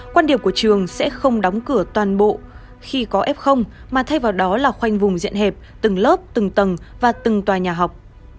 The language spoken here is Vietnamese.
quan điểm của trường sẽ không đóng cửa toàn bộ khi có f mà thay vào đó là khoanh vùng diện hẹp từng lớp từng tầng và từng tòa nhà học